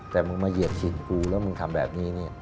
แต่มึงมาเหยียดขินกูแล้วมึงทำแบบนี้